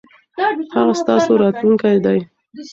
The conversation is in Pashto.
هغه ستاسو راتلونکی دی.